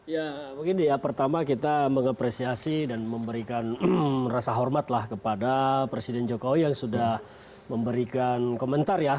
ya mungkin dia pertama kita mengapresiasi dan memberikan rasa hormatlah kepada presiden jokowi yang sudah memberikan komentar ya